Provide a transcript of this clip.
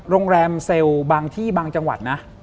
โรงแรมเซลล์บางที่บางจังหวัดนะ